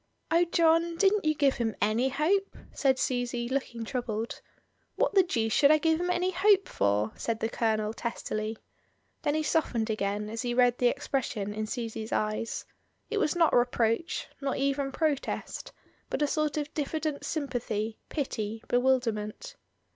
"Oh! John, didn't you give him any hope?" said Susy, looking troubled. "What the deuce should I give him any hope for?" said the Colonel, testily. Then he softened again as he read the expression in Susy's eyes; it was not reproach, not even protest, but a sort of diffident sympathy, pity, bewilderment.